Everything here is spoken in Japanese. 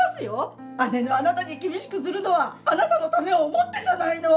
姉のあなたに厳しくするのはあなたのためを思ってじゃないの。